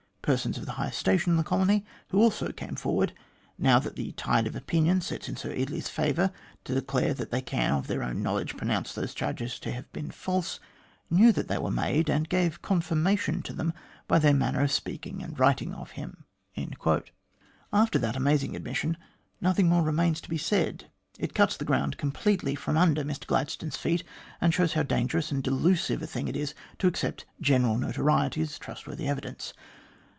Persons of the highest station in the colony, who also come forward, now that the tide of opinion sets in Sir Eardley's favour, to declare that they can, of their own knowledge, pronounce those charges to have been false, knew that they were made, and gave confirmation to them by their manner of speaking and writing of him." After that amazing admission, nothing more remains to be said. It cuts the ground completely from under Mr Gladstone's feet, and shows how dangerous and delusive a thing it is to accept "general notoriety" as trustworthy evidence.